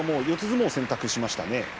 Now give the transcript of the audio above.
相撲を選択しましたね。